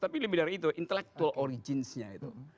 tapi lebih dari itu intellectual originsnya itu